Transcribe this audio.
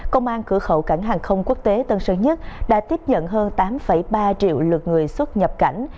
công an cửa khẩu cảng hàng không quốc tế tân sơn nhất đã tiếp nhận hơn tám ba triệu lượt người xuất nhập cảnh